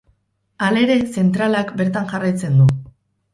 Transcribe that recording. Halere, zentralak bertan jarraitzen du.